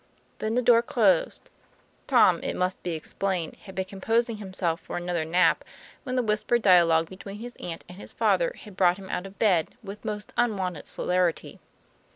Then the door closed. Tom, it must be explained, had been composing himself for another nap, when the whispered dialogue between his aunt and his father had brought him out of bed with most un wonted celerity.